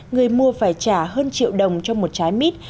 người mua phải trả hơn triệu đồng cho một trái mít